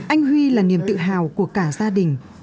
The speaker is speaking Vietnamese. anh huy là niềm tự hào của cả gia đình